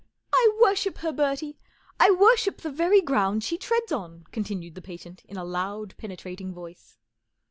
44 I worship her, Bertie ! I worship the very ground she treads on !" continued the patient, in a loud, penetrating voice.